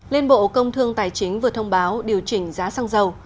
liên bộ công thương tài chính vừa thông báo điều chỉnh giá xăng dầu